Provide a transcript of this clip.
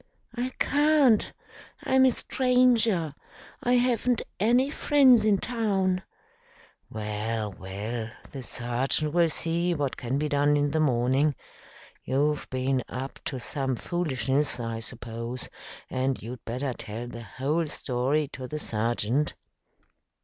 "I can't. I'm a stranger. I haven't any friends in town." "Well, well, the sergeant will see what can be done in the morning. You've been up to some foolishness, I suppose, and you'd better tell the whole story to the sergeant."